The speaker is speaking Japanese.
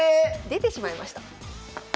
出てしまいました。